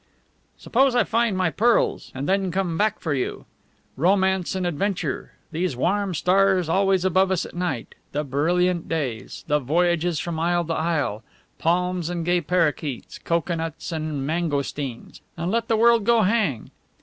"Suppose I find my pearls and then come back for you? Romance and adventure! These warm stars always above us at night; the brilliant days; the voyages from isle to isle; palms and gay parrakeets, cocoanuts and mangosteens and let the world go hang!"